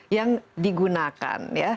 yang digunakan ya